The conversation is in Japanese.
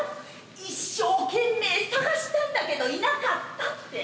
一生懸命探したんだけどいなかったって。